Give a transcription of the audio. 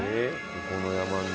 ここの山に？